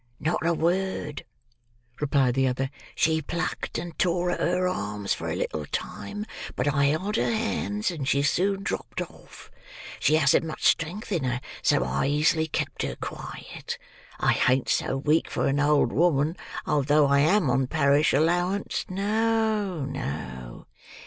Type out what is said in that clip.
"Not a word," replied the other. "She plucked and tore at her arms for a little time; but I held her hands, and she soon dropped off. She hasn't much strength in her, so I easily kept her quiet. I ain't so weak for an old woman, although I am on parish allowance; no, no!"